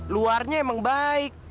luarnya emang baik